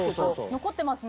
残ってますね。